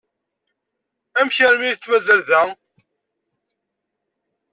Amek armi i ten-mazal da?